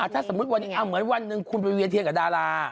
ถ้าสมมุติวันนี้เหมือนวันหนึ่งคุณไปเวียนเทียนกับดารา